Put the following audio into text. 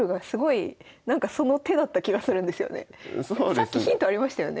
さっきヒントありましたよね